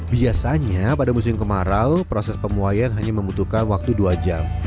biasanya pada musim kemarau proses pembuayan hanya membutuhkan waktu dua jam